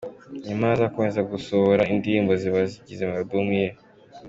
Nyuma ngo azakomeza gusohora indirimbo zizaba zigize album ye.